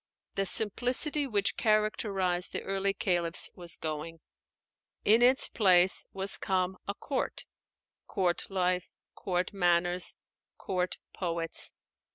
The simplicity which characterized the early caliphs was going; in its place was come a court, court life, court manners, court poets.